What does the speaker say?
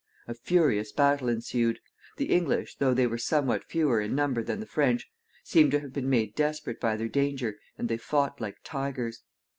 A furious battle ensued. The English, though they were somewhat fewer in number than the French, seem to have been made desperate by their danger, and they fought like tigers.